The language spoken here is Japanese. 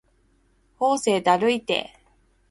法政だるいて